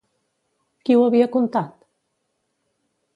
Qui ho havia contat?